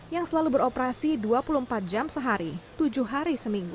yang selalu beroperasi dua puluh empat jam sehari tujuh hari seminggu